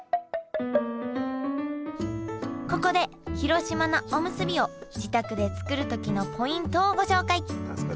ここで広島菜おむすびを自宅で作る時のポイントをご紹介。